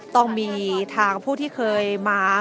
ต้องมีทางผู้ที่เคยมา